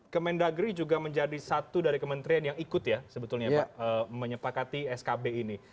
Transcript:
kemendagri juga menjadi satu dari kementerian yang ikut ya sebetulnya pak menyepakati skb ini